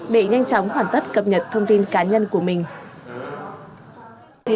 để nhanh chóng hoàn tất cập nhật thông tin cá nhân của mình